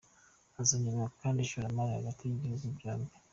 Hazongerwa kandi ishoramari hagati y’ibihugu byombi.